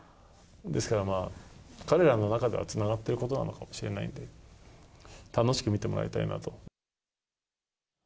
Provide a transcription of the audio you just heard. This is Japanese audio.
ですからまあ、彼らの中ではつながってることなのかもしれないんで、楽しく見てもらいたいなと。